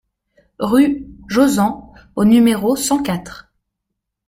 Rue Jozan au numéro cent quatre